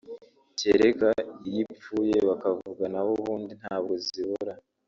cyereka iyo ipfuye bakavuga naho ubundi ntabwo zibura